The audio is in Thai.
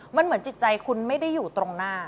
มันเหมือนจิตใจคุณไม่ได้อยู่ตรงหน้า